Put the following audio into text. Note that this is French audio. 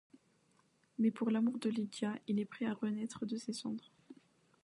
Mais pour l'amour de Lydia, il est prêt à renaître de ses cendres.